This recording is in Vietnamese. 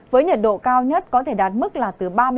với nhiệt độ cao nhất có thể đạt mức là từ ba mươi ba